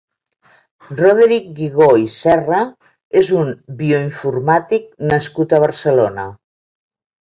Roderic Guigó i Serra és un bioinformàtic nascut a Barcelona.